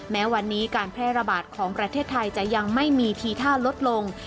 แม้วันนี้การแพร่ระบาดของประเทศไทยจะยังไม่มีทีท่าลดลง